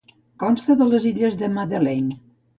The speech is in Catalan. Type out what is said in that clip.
Consta de les illes de la Madeleine.